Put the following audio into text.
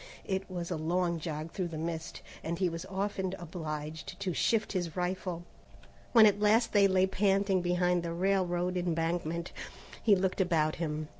It was a long jog through the mist, and he was often obliged to shift his rifle. When at last they lay panting behind the railroad embankment, he looked about him.